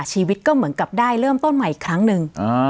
ชีวิตก็เหมือนกับได้เริ่มต้นใหม่อีกครั้งหนึ่ง